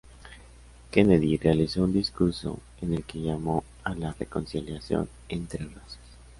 Kennedy realizó un discurso en el que llamó a la reconciliación entre razas.